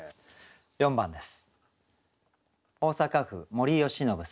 ４番です。